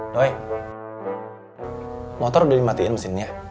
doy motor udah dimatiin mesinnya